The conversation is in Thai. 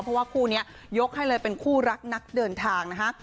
เพราะว่าคู่นี้ยกให้เลยเป็นคู่รักนักเดินทางนะฮะ